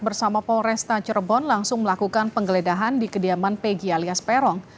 bersama polresta cirebon langsung melakukan penggeledahan di kediaman pegi alias peron